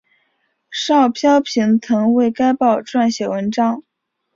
邵飘萍曾为该报撰写文章。